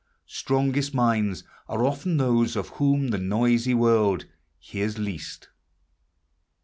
Strongest minds Are often those of whom the noisy world Hears least.